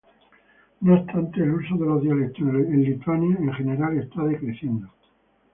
No obstante, el uso de los dialectos en Lituania, en general, está decreciendo.